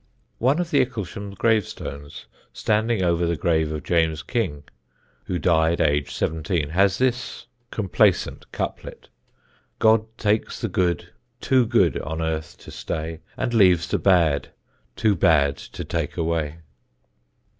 One of the Icklesham gravestones, standing over the grave of James King, who died aged seventeen, has this complacent couplet: God takes the good too good on earth to stay, And leaves the bad too bad to take away.